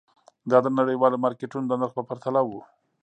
دا د نړیوالو مارکېټونو د نرخ په پرتله وو.